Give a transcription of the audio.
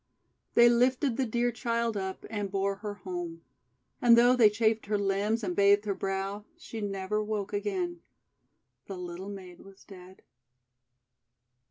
They lifted the dear child up, and bore her home. And though they chafed her limbs and bathed her brow, she never woke again. The little maid was dead.